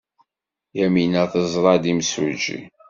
Yamina teẓra-d imsujji.